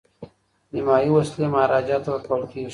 نیمایي وسلې مهاراجا ته ورکول کیږي.